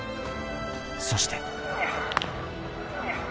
そして。